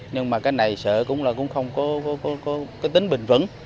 nhưng mà cái này sợ cũng không có tính bình vẩn